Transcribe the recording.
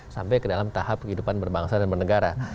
sampai ke dalam tahap kehidupan berbangsa dan bernegara